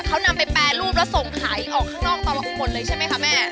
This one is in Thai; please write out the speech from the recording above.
เขานำไปแปรรูปแล้วส่งขายออกข้างนอกแต่ละคนเลยใช่ไหมคะแม่